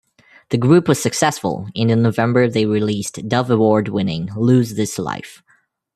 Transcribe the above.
The group was successful, and in November they released Dove Award-winning "Lose This Life".